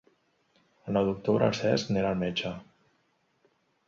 El nou d'octubre en Cesc anirà al metge.